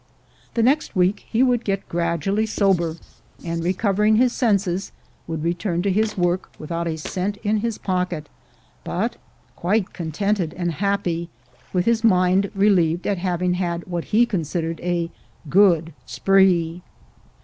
The next week he would get gradually sober, and, recovering his senses, would return to his work without a cent in his pocket, but quite contented and happy, with his mind relieved at having had what he considered a good spree.